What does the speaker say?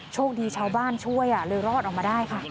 โชคดีชาวบ้านช่วยเลยรอดออกมาได้ค่ะ